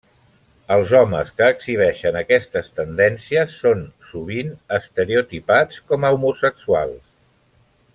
Els homes que exhibeixen aquestes tendències són sovint estereotipats com a homosexuals.